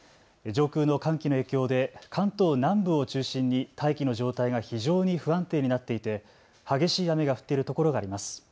上空の寒気の影響で関東南部を中心に大気の状態が非常に不安定になっていて激しい雨が降っているところがあります。